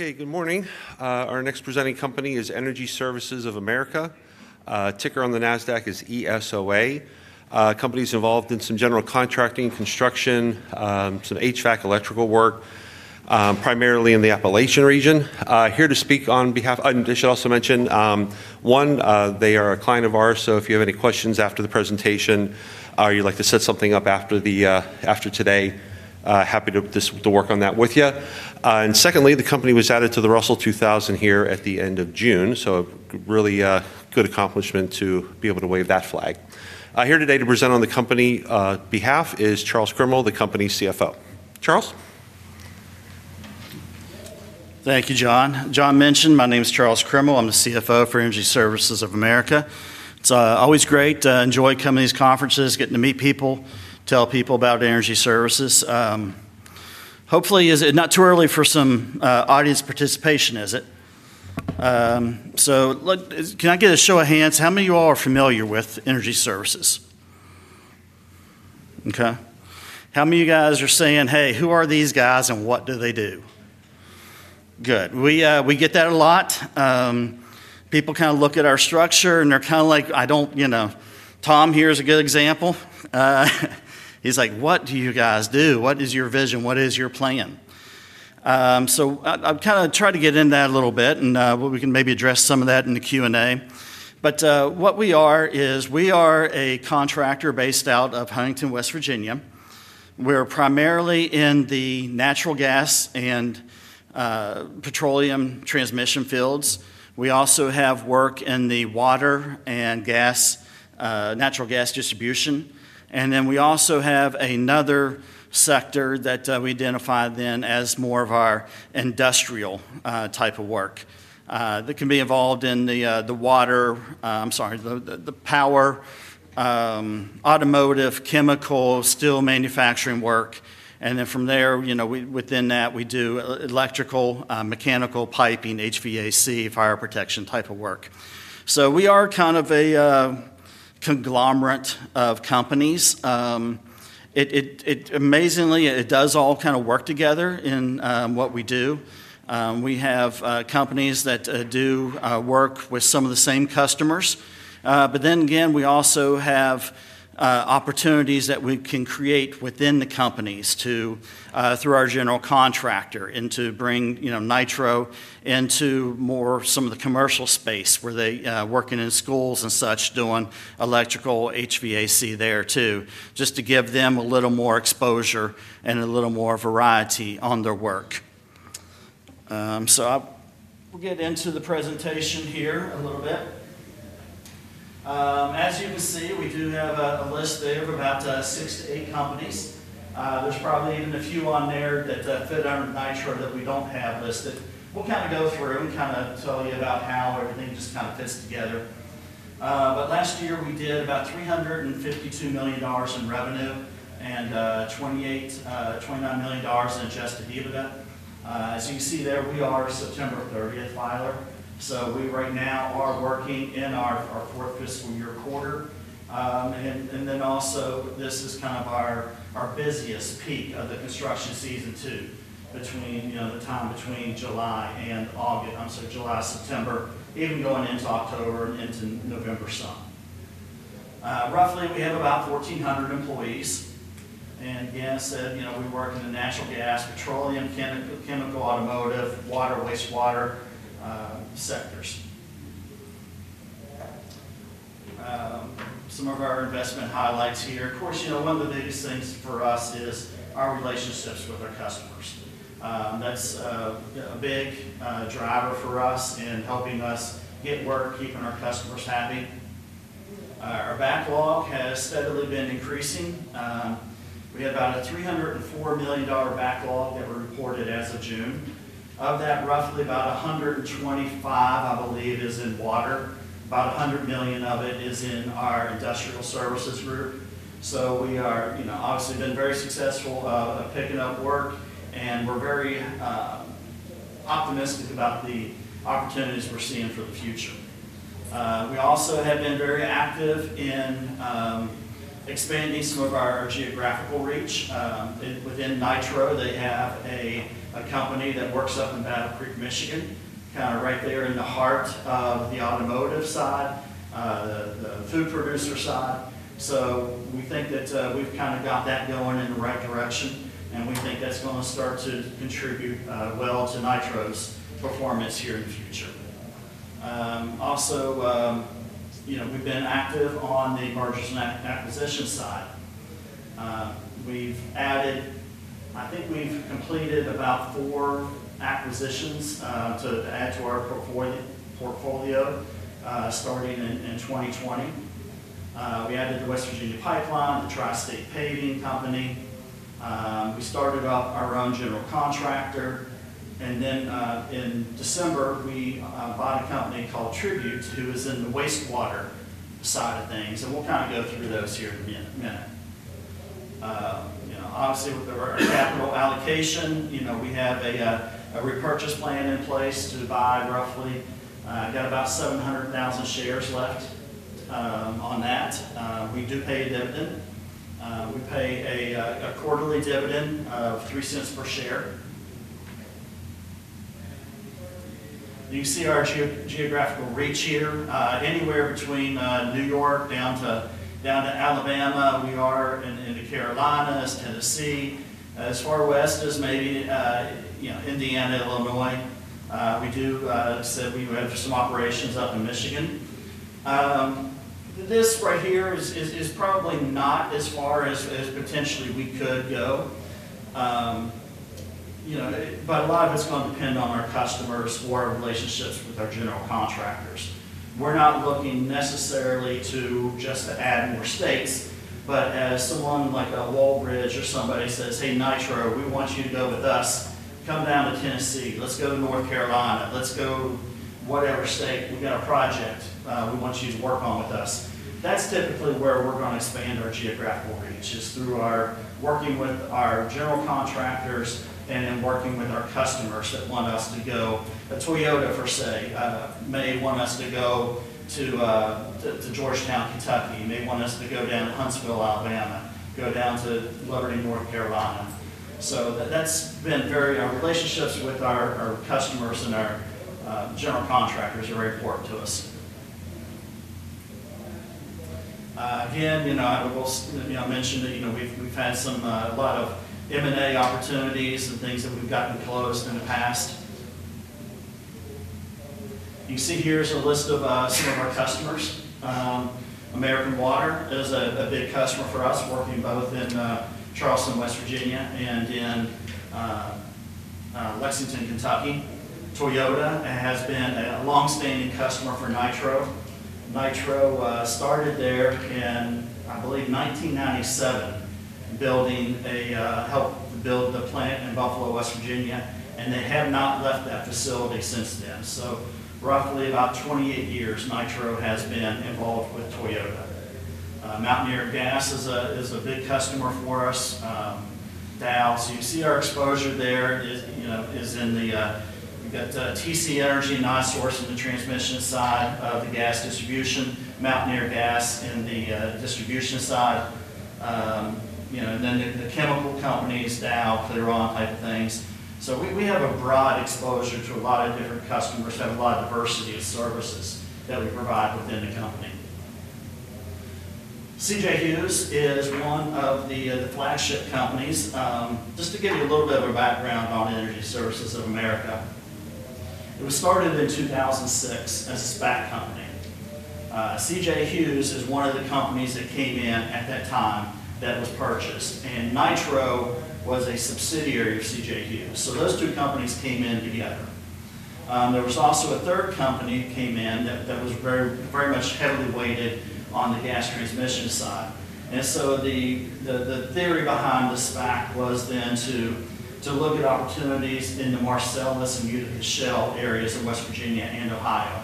Okay, good morning. Our next presenting company is Energy Services of America. Ticker on the NASDAQ is ESOA. Company's involved in some general contracting, construction, some HVAC electrical work, primarily in the Appalachian region. Here to speak on behalf, I should also mention, one, they are a client of ours, so if you have any questions after the presentation, or you'd like to set something up after today, happy to work on that with you. Secondly, the company was added to the Russell 2000 here at the end of June, so a really good accomplishment to be able to wave that flag. Here today to present on the company behalf is Charles Crimmel, the company's CFO. Charles? Thank you, John. As John mentioned, my name's Charles Crimmel. I'm the CFO for Energy Services of America. It's always great to enjoy coming to these conferences, getting to meet people, tell people about Energy Services. Hopefully, it's not too early for some audience participation, is it? Can I get a show of hands? How many of you all are familiar with Energy Services? Okay. How many of you guys are saying, "Hey, who are these guys and what do they do?" Good. We get that a lot. People kind of look at our structure and they're kind of like, I don't, you know, Tom here is a good example. He's like, "What do you guys do? What is your vision? What is your plan?" I've kind of tried to get in that a little bit and we can maybe address some of that in the Q&A. What we are is we are a contractor based out of Huntington, West Virginia. We're primarily in the natural gas and petroleum transmission fields. We also have work in the water and gas, natural gas distribution. We also have another sector that we identify then as more of our industrial type of work, that can be involved in the water, I'm sorry, the power, automotive, chemical, steel manufacturing work. Within that, we do electrical, mechanical, piping, HVAC, fire protection type of work. We are kind of a conglomerate of companies. It, amazingly, does all kind of work together in what we do. We have companies that do work with some of the same customers. Then again, we also have opportunities that we can create within the companies through our general contractor and to bring, you know, Nitro into more some of the commercial space where they are working in schools and such doing electrical HVAC there too, just to give them a little more exposure and a little more variety on their work. I'll get into the presentation here a little bit. As you can see, we do have a list there of about six to eight companies. There's probably even a few on there that fit under Nitro that we don't have listed. We'll kind of go through and kind of tell you about how everything just kind of fits together. Last year we did about $352 million in revenue and $28 million, $29 million in adjusted EBITDA. As you can see there, we are September 30th filer. We right now are working in our fourth fiscal year quarter. This is kind of our busiest peak of the construction season too, between the time between July and September, even going into October and into November some. Roughly, we have about 1,400 employees. Again, I said, you know, we work in the natural gas, petroleum, chemical, automotive, water, wastewater sectors. Some of our investment highlights here: of course, one of the biggest things for us is our relationships with our customers. That's a big driver for us in helping us get work, keeping our customers happy. Our backlog has steadily been increasing. We have about a $304 million backlog that we reported as of June. Of that, roughly about $125 million, I believe, is in water. About $100 million of it is in our industrial services group. We are, you know, obviously been very successful picking up work, and we're very optimistic about the opportunities we're seeing for the future. We also have been very active in expanding some of our geographical reach. Within Nitro, they have a company that works up and about in Creek, Michigan, kind of right there in the heart of the automotive side, the food producer side. We think that we've kind of got that going in the right direction, and we think that's going to start to contribute well to Nitro's performance here in the future. Also, we've been active on the mergers and acquisitions side. We've added, I think we've completed about four acquisitions to add to our portfolio, starting in 2020. We added the West Virginia Pipeline, the Tri-State Paving Company. We started up our own general contractor. In December, we bought a company called Tribute, who is in the wastewater side of things. We'll kind of go through those here in a minute. Obviously, with the capital allocation, we have a repurchase plan in place to buy roughly, got about 700,000 shares left on that. We do pay a dividend. We pay a quarterly dividend of $0.03 per share. You can see our geographical reach here, anywhere between New York down to Alabama. We are in the Carolinas, Tennessee, as far west as maybe Indiana, Illinois. We do, said we would have some operations up in Michigan. This right here is probably not as far as potentially we could go. A lot of it's going to depend on our customers or our relationships with our general contractors. We're not looking necessarily to just add more space, but as someone like a [Lowbridge] or somebody says, "Hey, Nitro, we want you to go with us. Come down to Tennessee. Let's go to North Carolina. Let's go whatever state you've got a project. We want you to work on with us." That's typically where we're going to expand our geographical reach, is through our working with our general contractors and then working with our customers that want us to go. A Toyota, for say, may want us to go to Georgetown, Kentucky, may want us to go down to Huntsville, Alabama, go down to [Lumberton], North Carolina. That's been very, our relationships with our customers and our general contractors are very important to us. Again, you know, we'll mention that, you know, we've had some, a lot of M&A opportunities and things that we've gotten closed in the past. You can see here's a list of some of our customers. American Water is a big customer for us, working both in Charleston, West Virginia, and in Lexington, Kentucky. Toyota has been a longstanding customer for Nitro. Nitro started there in, I believe, 1997, helped to build the plant in Buffalo, West Virginia, and they have not left that facility since then. So roughly about 28 years, Nitro has been involved with Toyota. Mountaineer Gas is a big customer for us. Dow, you can see our exposure there is, you know, is in the, you've got TC Energy and NiSource in the transmission side of the gas distribution, Mountaineer Gas in the distribution side, you know, and then the chemical companies, Dow, Clariant type of things. We have a broad exposure to a lot of different customers that have a lot of diversity of services that we provide within the company. CJ Hughes is one of the flagship companies. Just to give you a little bit of a background on Energy Services of America. We started in 2006 as a SPAC company. CJ Hughes is one of the companies that came in at that time that was purchased, and Nitro was a subsidiary of CJ Hughes. Those two companies came in together. There was also a third company that came in that was very, very much heavily weighted on the gas transmission side. The theory behind the SPAC was then to look at opportunities in the Marcellus and shale areas of West Virginia and Ohio.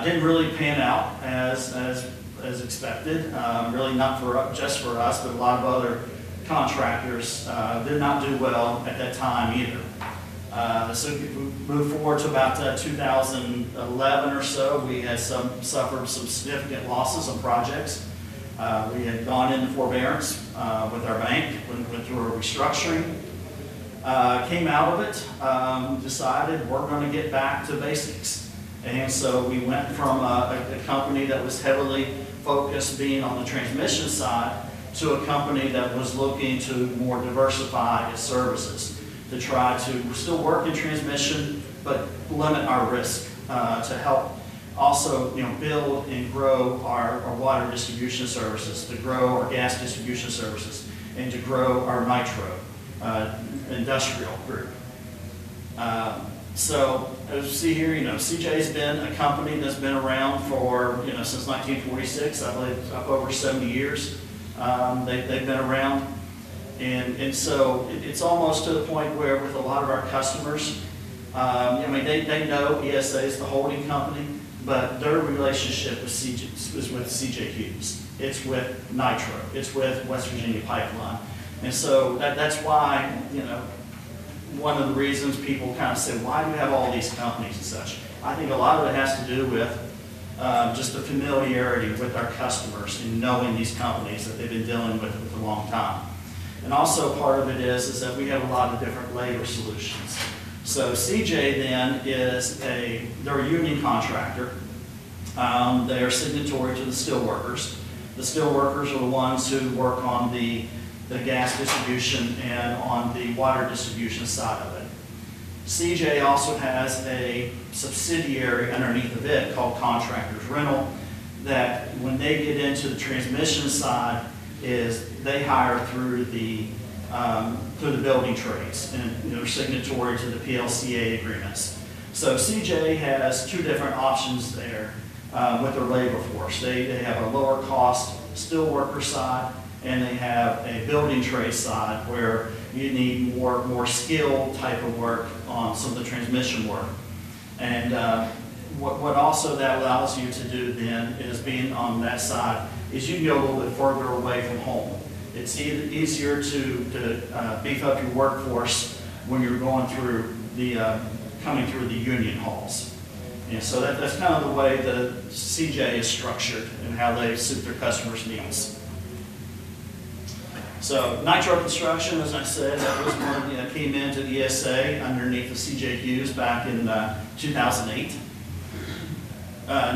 It didn't really pan out as expected, really not just for us, but a lot of other contractors did not do well at that time either. We moved forward to about 2011 or so. We had suffered some significant losses on projects. We had gone into forbearance with our bank through our restructuring, came out of it, decided we're going to get back to basics. We went from a company that was heavily focused on the transmission side to a company that was looking to more diversify its services to try to still work in transmission, but limit our risk, to help also, you know, build and grow our water distribution services, to grow our gas distribution services, and to grow our Nitro industrial crew. As you see here, you know, CJ's been a company that's been around for, you know, since 1946, I believe, up over 70 years they've been around. It's almost to the point where with a lot of our customers, I mean, they know ESA is the holding company, but their relationship with CJ Hughes is with Nitro, it's with West Virginia Pipeline. That's why, you know, one of the reasons people kind of said, "Why do we have all these companies and such?" I think a lot of it has to do with just the familiarity with our customers and knowing these companies that they've been dealing with for a long time. Also, part of it is that we have a lot of different labor solutions. CJ then is a union contractor. They're a signatory to the steel workers. The steel workers are the ones who work on the gas distribution and on the water distribution side of it. CJ also has a subsidiary underneath of it called Contractors Rental that, when they get into the transmission side, they hire through the building trades and, you know, signatory to the PLCA agreements. CJ has two different options there with their labor force. They have a lower cost steel worker side, and they have a building trade side where you need more skill type of work on some of the transmission work. What also that allows you to do then is being on that side is you get a little bit further away from home. It's easier to beef up your workforce when you're coming through the union halls. That's kind of the way that CJ is structured and how they suit their customers' needs. Nitro Construction, as I said, that was one of the team into ESA underneath the CJ Hughes back in 2008.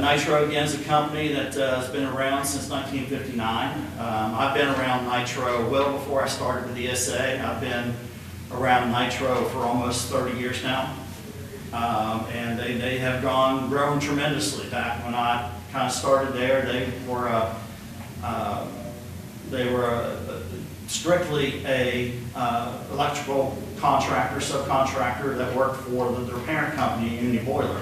Nitro again is a company that has been around since 1959. I've been around Nitro well before I started with ESA. I've been around Nitro for almost 30 years now. They have grown tremendously back when I kind of started there. They were strictly an electrical contractor, subcontractor that worked for their parent company, Union Boiler.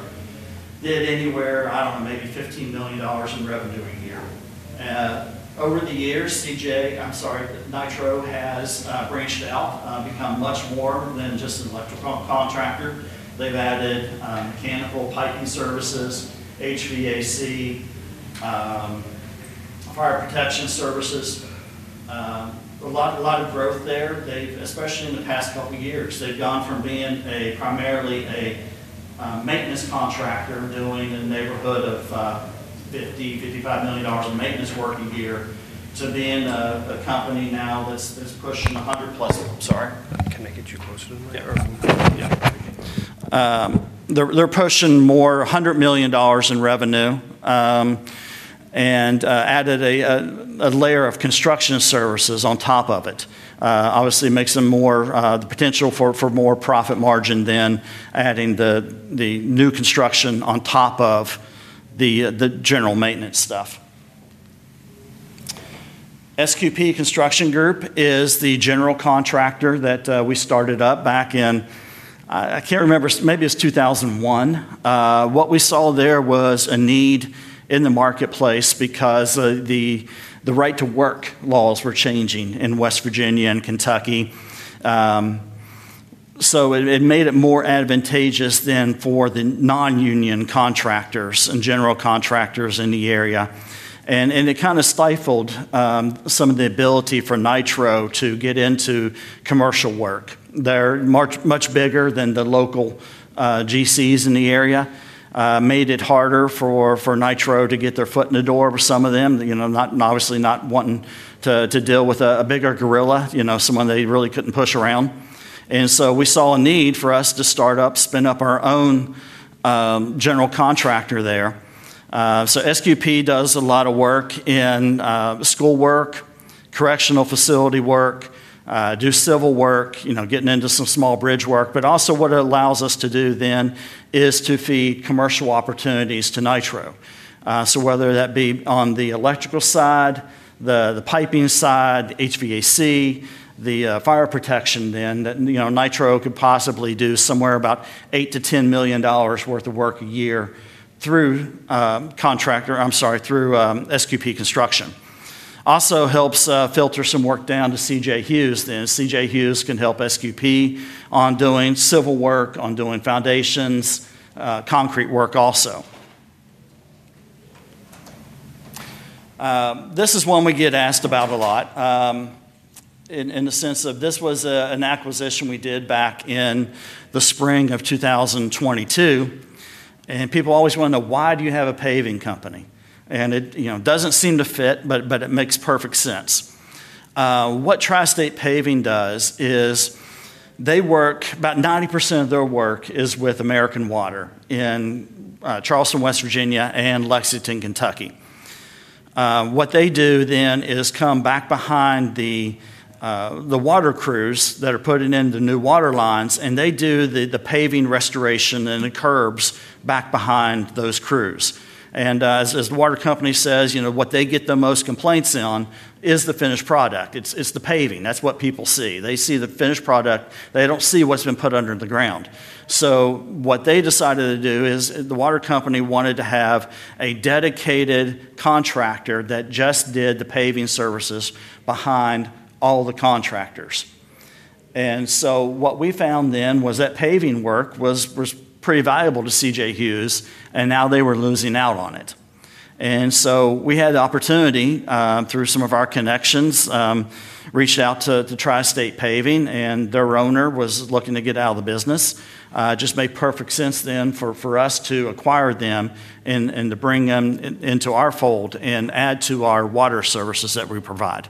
They had anywhere, I don't know, maybe $15 million in revenue a year. Over the years, CJ, I'm sorry, Nitro has branched out, become much more than just an electrical contractor. They've added mechanical piping services, HVAC, fire protection services. A lot of growth there. Especially in the past couple of years, they've gone from being primarily a maintenance contractor doing in the neighborhood of $50 million, $55 million in maintenance work a year to being a company now that's pushing +$100 million. I'm sorry. Can I get you closer to the mic? Yeah, okay. They're pushing more than $100 million in revenue, and added a layer of construction services on top of it. Obviously, it makes them more, the potential for more profit margin than adding the new construction on top of the general maintenance stuff. SQP Construction Group is the general contractor that we started up back in, I can't remember, maybe it's 2001. What we saw there was a need in the marketplace because the right to work laws were changing in West Virginia and Kentucky. It made it more advantageous for the non-union contractors and general contractors in the area. It kind of stifled some of the ability for Nitro to get into commercial work. They're much, much bigger than the local GCs in the area. It made it harder for Nitro to get their foot in the door with some of them, you know, obviously not wanting to deal with a bigger gorilla, someone they really couldn't push around. We saw a need for us to start up, spin up our own general contractor there. SQP does a lot of work in school work, correctional facility work, civil work, getting into some small bridge work, but also what it allows us to do then is to feed commercial opportunities to Nitro. Whether that be on the electrical side, the piping side, HVAC, the fire protection, then that, you know, Nitro could possibly do somewhere about $8 million-$10 million worth of work a year through SQP Construction. It also helps filter some work down to CJ Hughes, and CJ Hughes can help SQP on doing civil work, on doing foundations, concrete work also. This is one we get asked about a lot, in the sense of this was an acquisition we did back in the spring of 2022. People always want to know, why do you have a paving company? It doesn't seem to fit, but it makes perfect sense. What Tri-State Paving does is they work about 90% of their work with American Water in Charleston, West Virginia, and Lexington, Kentucky. What they do then is come back behind the water crews that are putting in the new water lines, and they do the paving restoration and the curbs back behind those crews. As the water company says, what they get the most complaints on is the finished product. It's the paving. That's what people see. They see the finished product. They don't see what's been put under the ground. What they decided to do is the water company wanted to have a dedicated contractor that just did the paving services behind all the contractors. What we found then was that paving work was pretty valuable to CJ Hughes, and now they were losing out on it. We had the opportunity, through some of our connections, reached out to Tri-State Paving, and their owner was looking to get out of the business. It just made perfect sense for us to acquire them and to bring them into our fold and add to our water services that we provide.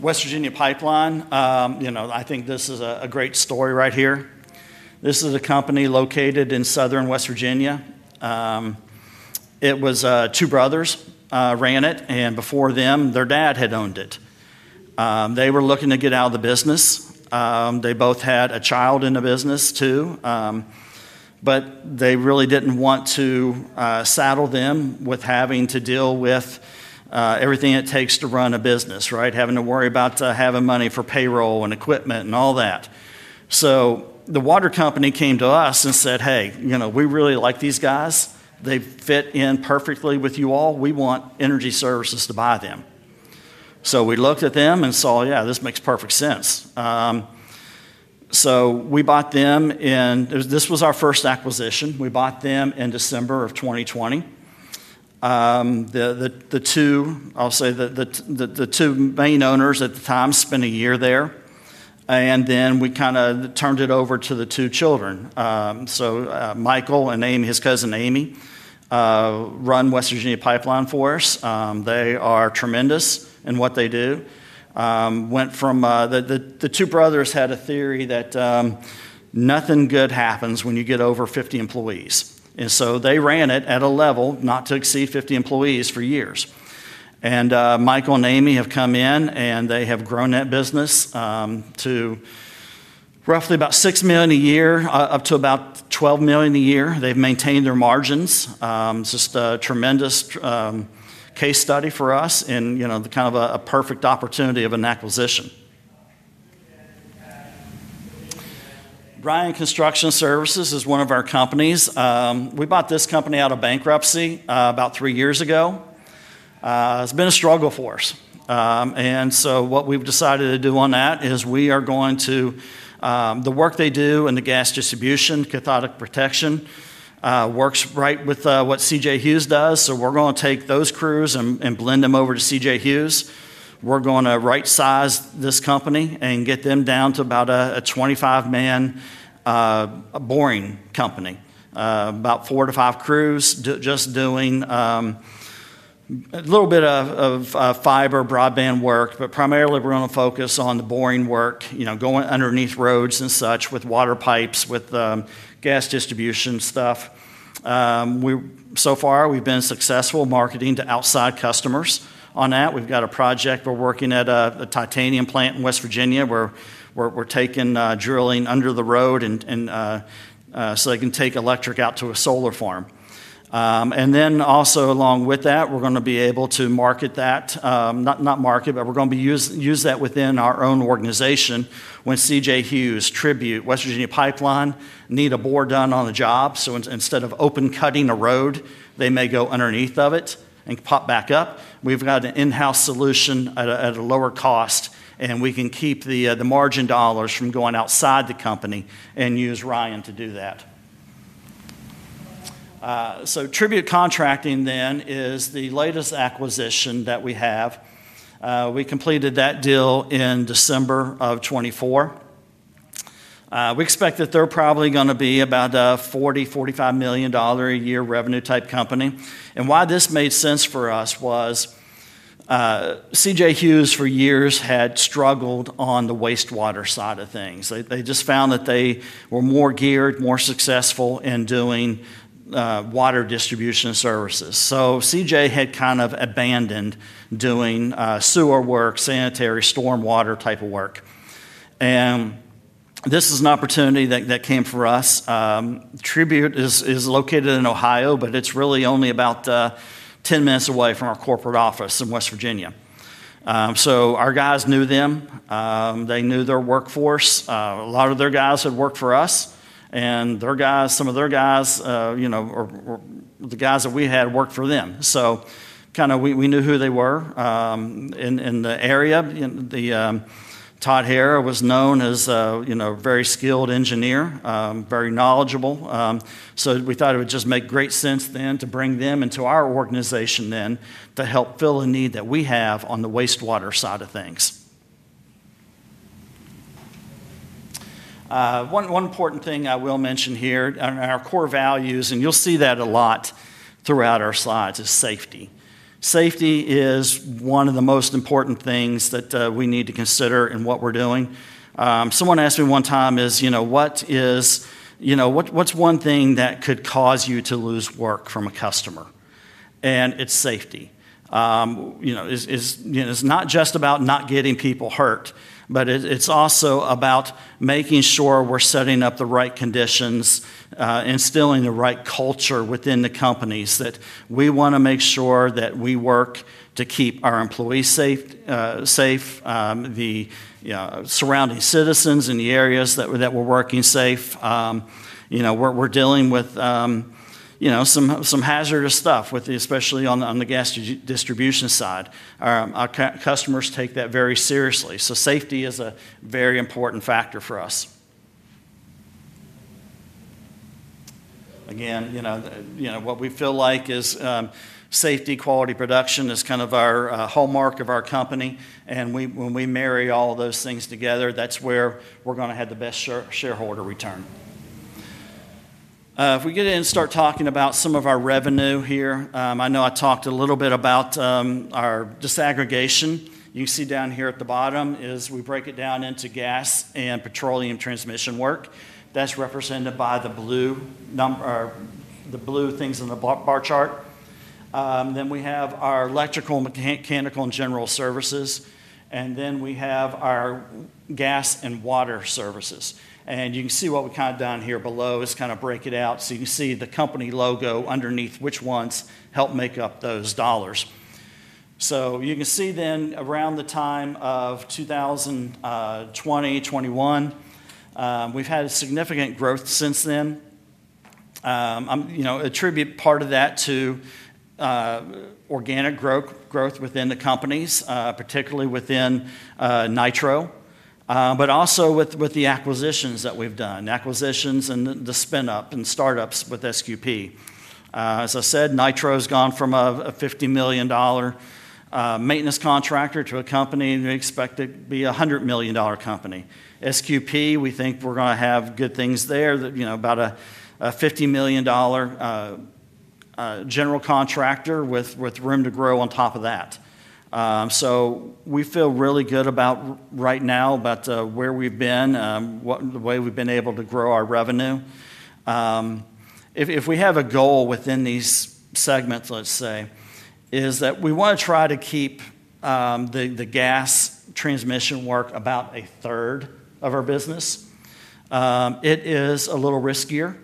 West Virginia Pipeline, I think this is a great story right here. This is a company located in southern West Virginia. It was two brothers, ran it, and before them, their dad had owned it. They were looking to get out of the business. They both had a child in the business too, but they really didn't want to saddle them with having to deal with everything it takes to run a business, right? Having to worry about having money for payroll and equipment and all that. The water company came to us and said, "Hey, you know, we really like these guys. They fit in perfectly with you all. We want Energy Services to buy them." We looked at them and saw, "Yeah, this makes perfect sense." We bought them in, this was our first acquisition. We bought them in December of 2020. I'll say that the two main owners at the time spent a year there. Then we kind of turned it over to the two children. Michael and Amy, his cousin Amy, run West Virginia Pipeline for us. They are tremendous in what they do. Went from, the two brothers had a theory that nothing good happens when you get over 50 employees. They ran it at a level not to exceed 50 employees for years. Michael and Amy have come in and they have grown that business to roughly about $6 million a year, up to about $12 million a year. They've maintained their margins. Just a tremendous case study for us and, you know, kind of a perfect opportunity of an acquisition. Bryan Construction Services is one of our companies. We bought this company out of bankruptcy about three years ago. It's been a struggle for us. What we've decided to do on that is we are going to, the work they do in the gas distribution, cathodic protection, works right with what CJ Hughes does. We are going to take those crews and blend them over to CJ Hughes. We're going to right-size this company and get them down to about a 25-man, boring company. About four to five crews just doing a little bit of fiber broadband work, but primarily we're going to focus on the boring work, you know, going underneath roads and such with water pipes, with gas distribution stuff. So far we've been successful marketing to outside customers on that. We've got a project we're working at a titanium plant in West Virginia where we're taking, drilling under the road so they can take electric out to a solar farm. Also, along with that, we're going to be able to market that, not market, but we're going to be using that within our own organization when CJ Hughes, Tribute, West Virginia Pipeline need a bore done on the job. Instead of open cutting a road, they may go underneath of it and pop back up. We've got an in-house solution at a lower cost, and we can keep the margin dollars from going outside the company and use Ryan to do that. Tribute Contracting then is the latest acquisition that we have. We completed that deal in December of 2024. We expect that they're probably going to be about a $40 million-$45 million a year revenue type company. Why this made sense for us was CJ Hughes for years had struggled on the wastewater side of things. They just found that they were more geared, more successful in doing water distribution services. CJ had kind of abandoned doing sewer work, sanitary, stormwater type of work. This is an opportunity that came for us. Tribute is located in Ohio, but it's really only about 10 minutes away from our corporate office in West Virginia. Our guys knew them. They knew their workforce. A lot of their guys had worked for us, and their guys, some of their guys, you know, or the guys that we had worked for them. We knew who they were in the area. Todd Hare was known as a very skilled engineer, very knowledgeable. We thought it would just make great sense then to bring them into our organization to help fill a need that we have on the wastewater side of things. One important thing I will mention here are our core values, and you'll see that a lot throughout our slides is safety. Safety is one of the most important things that we need to consider in what we're doing. Someone asked me one time, you know, what is, you know, what's one thing that could cause you to lose work from a customer? It's safety. You know, it's not just about not getting people hurt, but it's also about making sure we're setting up the right conditions, instilling the right culture within the companies that we want to make sure that we work to keep our employees safe, the surrounding citizens in the areas that we're working safe. We're dealing with some hazardous stuff, especially on the gas distribution side. Our customers take that very seriously. Safety is a very important factor for us. Again, what we feel like is, safety, quality, production is kind of our hallmark of our company. When we marry all of those things together, that's where we're going to have the best shareholder return. If we get in and start talking about some of our revenue here, I know I talked a little bit about our disaggregation. You see down here at the bottom as we break it down into gas and petroleum transmission work. That's represented by the blue things in the bar chart. Then we have our electrical, mechanical, and general services. Then we have our gas and water services. You can see what we have done here below is kind of break it out so you can see the company logo underneath which ones help make up those dollars. You can see then around the time of 2020, 2021, we've had significant growth since then. We attribute part of that to organic growth within the companies, particularly within Nitro, but also with the acquisitions that we've done, acquisitions and the spin-up and startups with SQP. As I said, Nitro has gone from a $50 million maintenance contractor to a company that we expect to be a $100 million company. SQP, we think we're going to have good things there, about a $50 million general contractor with room to grow on top of that. We feel really good right now about where we've been, the way we've been able to grow our revenue. If we have a goal within these segments, let's say, it is that we want to try to keep the gas transmission work about a third of our business. It is a little riskier,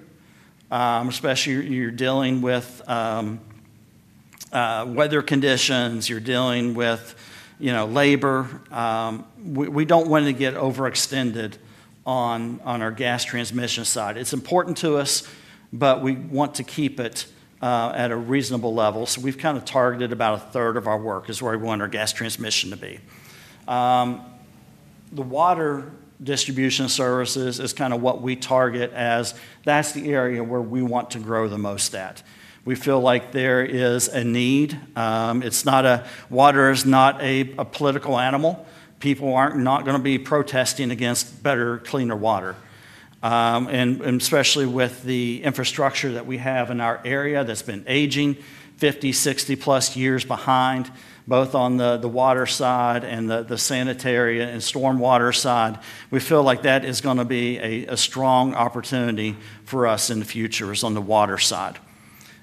especially when you're dealing with weather conditions, you're dealing with labor. We don't want to get overextended on our gas transmission side. It's important to us, but we want to keep it at a reasonable level. We've kind of targeted about 1/3 of our work is where we want our gas transmission to be. The water distribution services is kind of what we target as that's the area where we want to grow the most at. We feel like there is a need. Water is not a political animal. People aren't not going to be protesting against better, cleaner water. Especially with the infrastructure that we have in our area that's been aging 50, 60+ years behind, both on the water side and the sanitary and stormwater side, we feel like that is going to be a strong opportunity for us in the future is on the water side.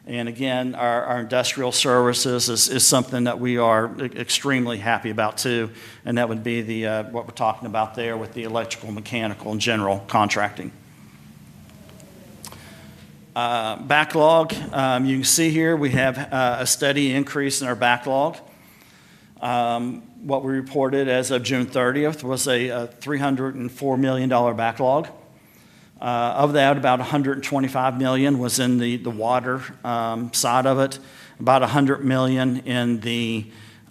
Again, our industrial services is something that we are extremely happy about too. That would be what we're talking about there with the electrical, mechanical, and general contracting. Backlog, you can see here we have a steady increase in our backlog. What we reported as of June 30th was a $304 million backlog. Of that, about $125 million was in the water side of it, about $100 million in the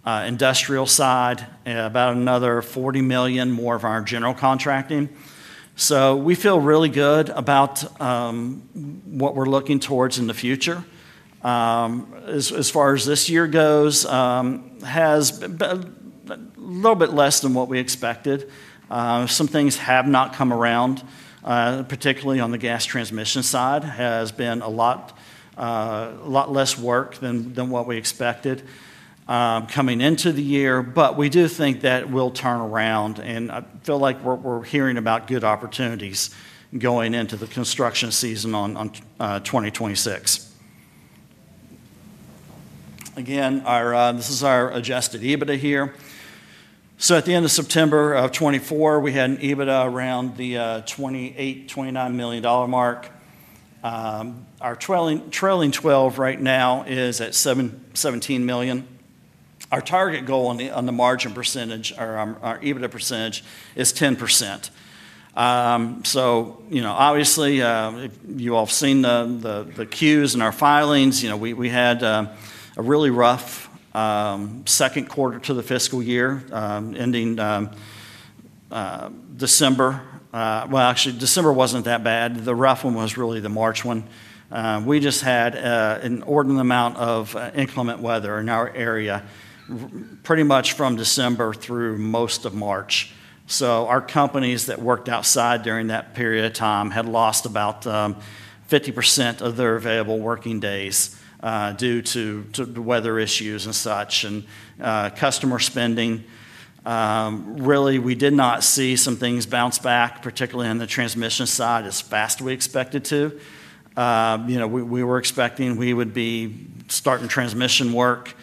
industrial side, about another $40 million more of our general contracting. We feel really good about what we're looking towards in the future. As far as this year goes, it has been a little bit less than what we expected. Some things have not come around, particularly on the gas transmission side. It has been a lot less work than what we expected coming into the year, but we do think that will turn around and I feel like we're hearing about good opportunities going into the construction season on 2026. This is our adjusted EBITDA here. At the end of September 2024, we had an EBITDA around the $28 million, $29 million mark. Our trailing 12 right now is at $17 million. Our target goal on the margin percentage or our EBITDA percentage is 10%. Obviously, you all have seen the queues in our filings. You know, we had a really rough second quarter to the fiscal year ending December. Actually, December wasn't that bad. The rough one was really the March one. We just had an ordinary amount of inclement weather in our area pretty much from December through most of March. Our companies that worked outside during that period of time had lost about 50% of their available working days due to the weather issues and such and customer spending. Really, we did not see some things bounce back, particularly on the transmission side, as fast as we expected to. We were expecting we would be starting transmission work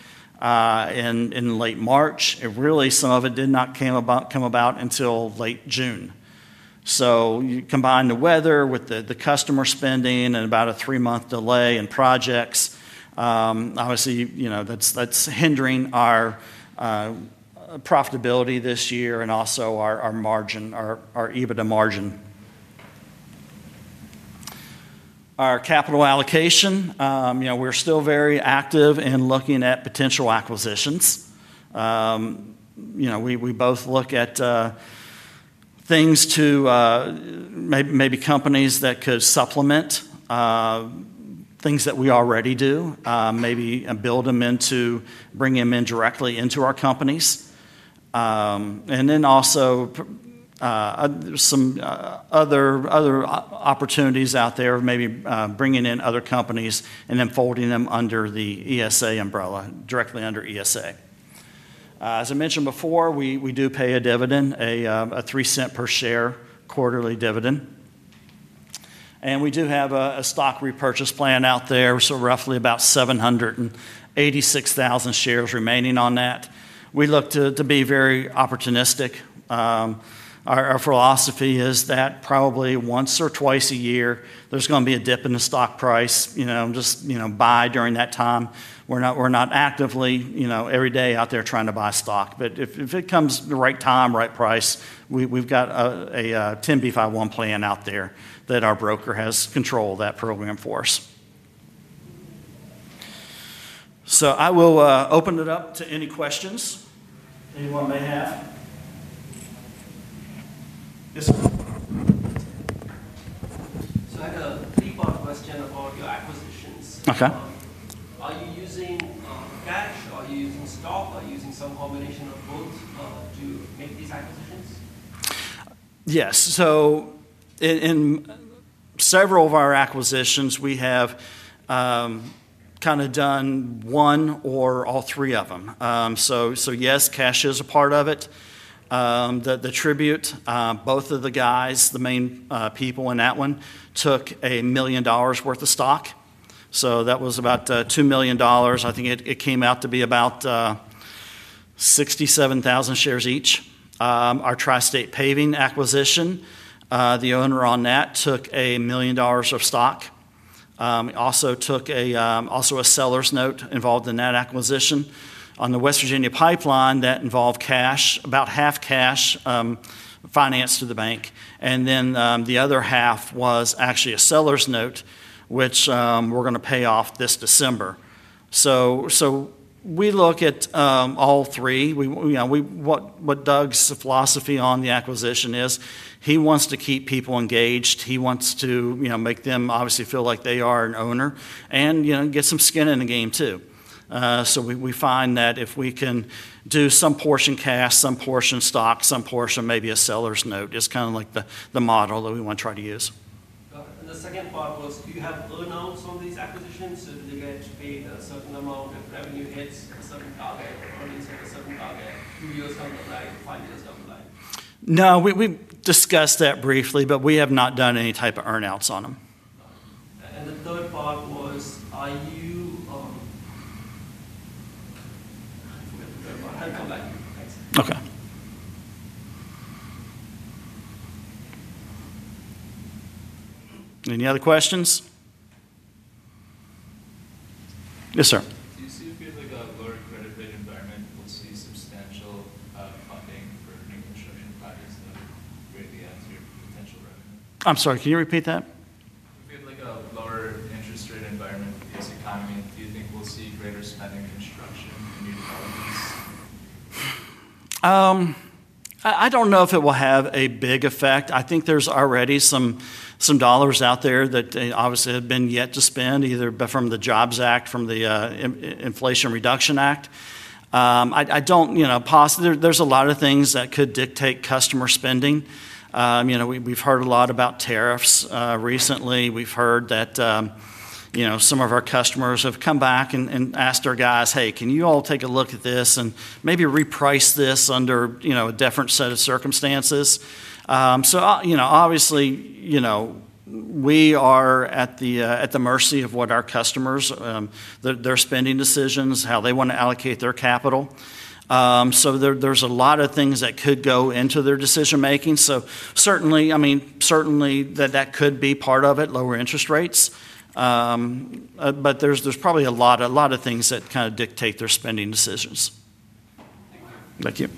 in late March. Some of it did not come about until late June. You combine the weather with the customer spending and about a three-month delay in projects. Obviously, that's hindering our profitability this year and also our margin, our EBITDA margin. Our capital allocation, we're still very active in looking at potential acquisitions. We both look at things to maybe companies that could supplement things that we already do, maybe build them into bringing them in directly into our companies. There are also some other opportunities out there, maybe bringing in other companies and then folding them under the ESA umbrella, directly under ESA. As I mentioned before, we do pay a dividend, a $0.03 per share quarterly dividend. We do have a stock repurchase plan out there. There are roughly about 786,000 shares remaining on that. We look to be very opportunistic. Our philosophy is that probably once or twice a year, there's going to be a dip in the stock price, just buy during that time. We're not actively every day out there trying to buy stock, but if it comes the right time, right price, we've got a 10b5-1 plan out there that our broker has control of that program for us. I will open it up to any questions anyone may have. I had a three-part question about your acquisitions. Are you using cash or are you using stock, or are you using some combination of both? Yes. In several of our acquisitions, we have kind of done one or all three of them. Yes, cash is a part of it. The Tribute, both of the guys, the main people in that one took $1 million worth of stock. That was about the $2 million. I think it came out to be about 67,000 shares each. Our Tri-State Paving acquisition, the owner on that took $1 million of stock. We also took a seller's note involved in that acquisition. On the West Virginia Pipeline, that involved cash, about half cash financed through the bank. The other half was actually a seller's note, which we're going to pay off this December. We look at all three. Doug's philosophy on the acquisition is he wants to keep people engaged. He wants to make them obviously feel like they are an owner and get some skin in the game too. We find that if we can do some portion cash, some portion stock, some portion maybe a seller's note, it's kind of like the model that we want to try to use. The second part was, do you have earnout provisions on these acquisitions? Do they get to pay a certain amount if revenue hits a certain target or at least at a certain target? No, we discussed that briefly, but we have not done any type of earnout provisions on them. The third part was, are you... Okay. Any other questions? Yes, sir. Do you see a lower credit rate environment? We'll see substantial update for the new construction projects that are going to be asked here for potential revenue. I'm sorry, can you repeat that? If we have like a lower interest rate environment, do you think we'll see greater spending? I don't know if it will have a big effect. I think there's already some dollars out there that they obviously have been yet to spend, either from the JOBS Act or from the Inflation Reduction Act. I don't, you know, there's a lot of things that could dictate customer spending. We've heard a lot about tariffs recently. We've heard that some of our customers have come back and asked our guys, "Hey, can you all take a look at this and maybe reprice this under a different set of circumstances?" Obviously, we are at the mercy of what our customers, their spending decisions, how they want to allocate their capital. There's a lot of things that could go into their decision making. Certainly, that could be part of it, lower interest rates. There's probably a lot of things that kind of dictate their spending decisions. Thank you.